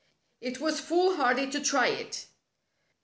It was foolhardy to try it.